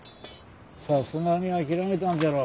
さすがに諦めたんじゃろ。